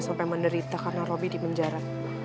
sampai menderita karena roby di penjara